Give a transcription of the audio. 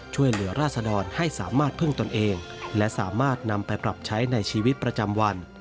ช่วยเหลือราศดรให้สามารถพึ่งตนเองและสามารถนำไปปรับใช้ในชีวิตประจำวัน